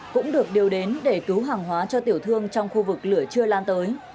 cũng được điều đến để cứu hàng hóa cho tiểu thương trong khu vực lửa chưa lan tới